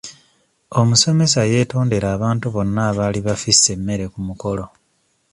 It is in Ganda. Omusomesa yeetondera abantu bonna abaali bafisse emmere ku mukolo.